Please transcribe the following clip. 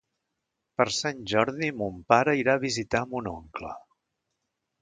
Per Sant Jordi mon pare irà a visitar mon oncle.